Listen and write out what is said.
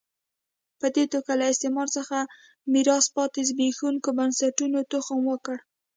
په دې توګه له استعمار څخه میراث پاتې زبېښونکو بنسټونو تخم وکره.